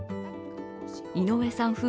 井上さん